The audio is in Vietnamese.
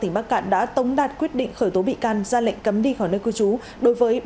tỉnh bắc cạn đã tống đạt quyết định khởi tố bị can ra lệnh cấm đi khỏi nơi cư trú đối với